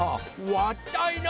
わったいな！